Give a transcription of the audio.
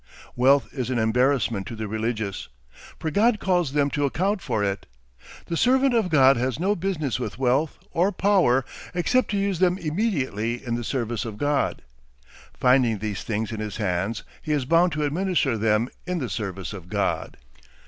Wealth is an embarrassment to the religious, for God calls them to account for it. The servant of God has no business with wealth or power except to use them immediately in the service of God. Finding these things in his hands he is bound to administer them in the service of God.